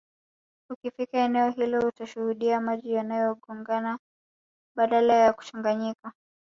Ukifika eneo hilo utashuhudia maji yanagongana badala ya kuchanganyika